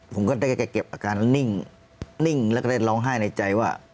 ผมก็ได้แค่เก็บอาการนิ่งแล้วก็ได้ร้องไห้ในใจว่า